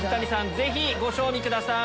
ぜひご賞味ください。